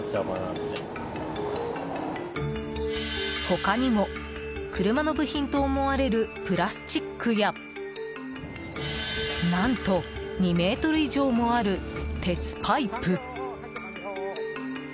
他にも、車の部品と思われるプラスチックや何と、２ｍ以上もある鉄パイプ。